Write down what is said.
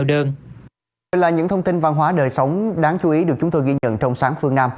đây là những thông tin văn hóa đời sống đáng chú ý được chúng tôi ghi nhận trong sáng phương nam